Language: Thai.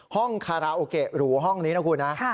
ห้องคาราโอเกะหรือห้องนี้นะคุณ